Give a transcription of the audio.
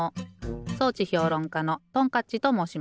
装置評論家のトンカッチともうします。